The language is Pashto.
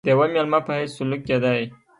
د یوه مېلمه په حیث سلوک کېدی.